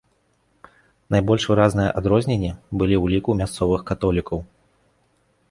Найбольш выразныя адрозненні былі ў ліку мясцовых католікаў.